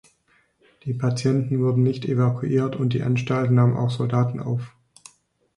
Die Patienten wurden nicht evakuiert und die Anstalt nahm auch Soldaten auf.